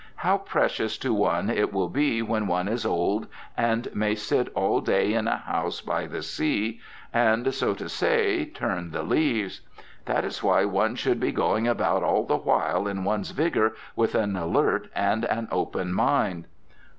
How precious to one it will be when one is old and may sit all day in a house by the sea and, so to say, turn the leaves. That is why one should be going about all the while in one's vigour with an alert and an open mind.